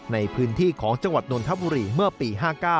ในพื้นที่ของจังหวัดนนทบุรีเมื่อปี๕๙